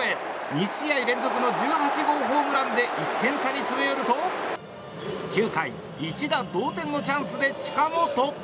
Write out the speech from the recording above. ２試合連続の１８号ホームランで１点差に詰め寄ると９回、一打同点のチャンスで近本。